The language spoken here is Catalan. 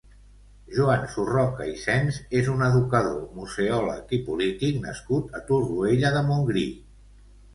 Joan Surroca i Sens és un educador, museòleg i polític nascut a Torroella de Montgrí.